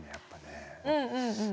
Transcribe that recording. うんうんうんうん。